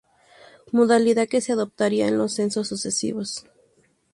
Modalidad que se adoptaría en los censos sucesivos.